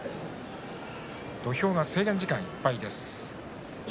土俵は制限時間いっぱいです。